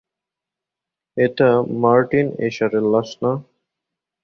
এটা মার্টিন এশারের লাশ না।